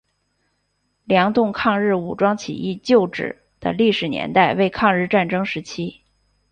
良垌抗日武装起义旧址的历史年代为抗日战争时期。